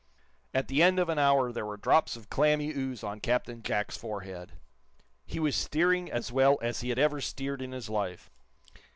At the end of an hour there were drops of clammy ooze on Captain Jack's forehead. He was steering as well as he had ever steered in his life.